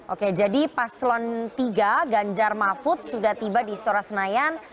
oke jadi paslon tiga ganjar mahfud sudah tiba di istora senayan